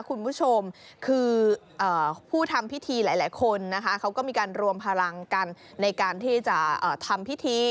คุณผู้ชมคือผู้ทำพิธีหลายคนนะคะเขาก็มีการรวมพลังกันในการที่จะทำพิธี